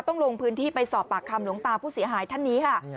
ลงพื้นที่ไปสอบปากคำหลวงตาผู้เสียหายท่านนี้ค่ะ